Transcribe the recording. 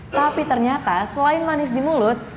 tapi ternyata selain manis di mulut